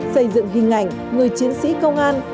xây dựng hình ảnh người chiến sĩ công an